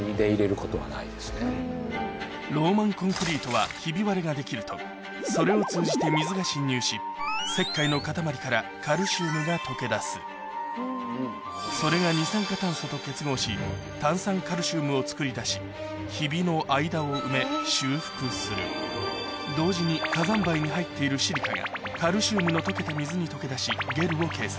ローマンコンクリートはひび割れができるとそれを通じて水が浸入し石灰の塊からカルシウムが溶け出すそれが二酸化炭素と結合し炭酸カルシウムを作り出しひびの間を埋め修復する同時に火山灰に入っているシリカがカルシウムの溶けた水に溶け出しゲルを形成